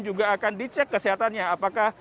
juga akan dicek kesehatannya